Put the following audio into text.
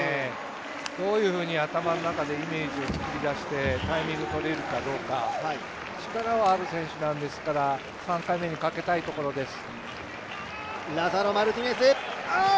どういうふうに頭の中でイメージを作り出してタイミングとれるかどうか、力はある選手なんですから３回目にかけたいところです。